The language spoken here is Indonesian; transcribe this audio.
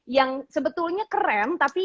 yang sebetulnya keren tapi